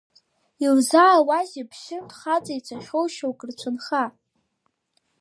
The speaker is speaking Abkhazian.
Илзаауазеи ԥшьынтә хаҵа ицахьоу шьоук рцәынха?